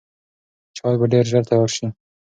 چای به ډېر ژر تیار شي.